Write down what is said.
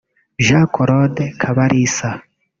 Jean Claude Kabarisa